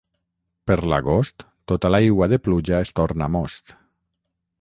Per l'agost tota l'aigua de pluja es torna most.